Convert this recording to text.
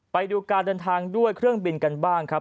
ไปดูการเดินทางด้วยเครื่องบินกันบ้างครับ